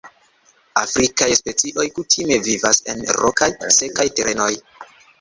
Afrikaj specioj kutime vivas en rokaj, sekaj terenoj.